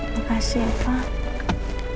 makasih ya pak